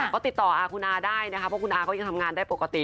ก็ติดต่ออาคุณอาได้นะคะเพราะคุณอาก็ยังทำงานได้ปกติ